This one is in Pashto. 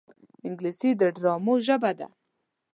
انګلیسي د ډرامو ژبه ده